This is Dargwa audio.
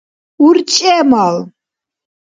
урчӀемал